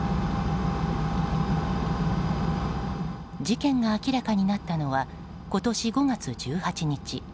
事件が明らかになったのは今年５月１８日。